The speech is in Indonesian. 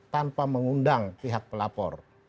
tanpa mengundang pihak pelapor